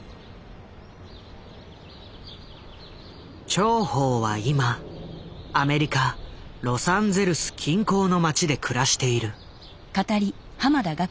趙は今アメリカ・ロサンゼルス近郊の街で暮らしている。